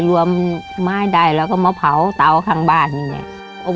หลานก็ทำไม่ได้หลานก็ทำไม่ได้ต้องทำเลี้ยงคนเดียว